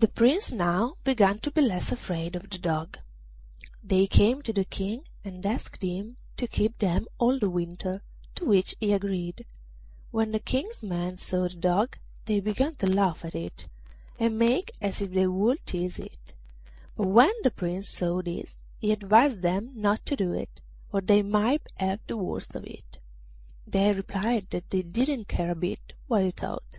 The Prince now began to be less afraid of the Dog. They came to the King and asked him to keep them all the winter, to which he agreed. When the King's men saw the Dog they began to laugh at it, and make as if they would tease it; but when the Prince saw this he advised them not to do it, or they might have the worst of it. They replied that they didn't care a bit what he thought.